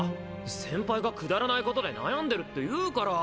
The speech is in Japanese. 先輩がくだらないことで悩んでるっていうから。